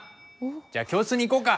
じゃあ教室に行こうか？